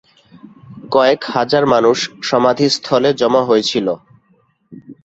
কয়েক হাজার মানুষ সমাধিস্থলে জমা হয়েছিল।